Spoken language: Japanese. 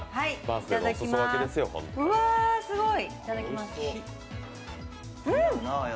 うわ、すごい。